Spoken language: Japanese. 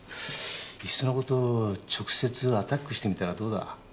いっその事直接アタックしてみたらどうだ？